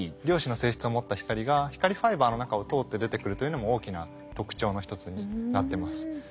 量子の性質を持った光が光ファイバーの中を通って出てくるというのも大きな特長の一つになってます。